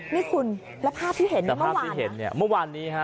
นี่คุณแล้วภาพที่เห็นเนี่ยเมื่อวานที่เห็นเนี่ยเมื่อวานนี้ฮะ